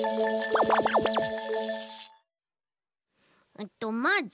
えっとまず。